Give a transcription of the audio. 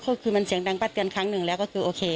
ก็คือมันเสียงดังปัดกันครั้งหนึ่งแล้วก็คือโอเค